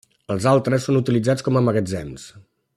Els altres són utilitzats com a magatzems.